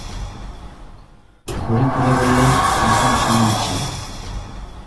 ঘড়ি খুলে বললে, পাঁচ মিনিট সময় দিচ্ছি।